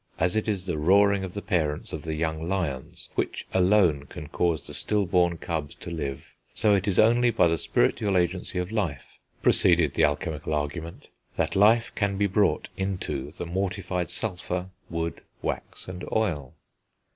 As it is the roaring of the parents of the young lions which alone can cause the still born cubs to live, so it is only by the spiritual agency of life, proceeded the alchemical argument, that life can be brought into the mortified sulphur, wood, wax, and oil.